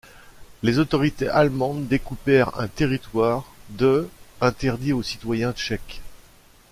Les autorités allemandes découpèrent un territoire de interdit aux citoyens tchèques.